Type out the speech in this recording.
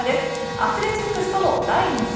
アスレチックスとの第２戦。